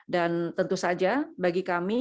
dan tentu saja bagi kami